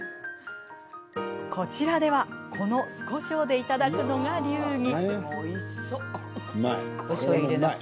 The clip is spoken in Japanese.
こちらではこの酢こしょうでいただくのが流儀。